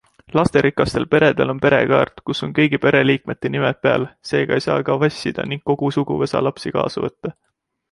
Lasterikastel peredel on perekaart, kus on kõigi pereliikmete nimed peal, seega ei saa ka vassida ning kogu suguvõsa lapsi kaasa võtta.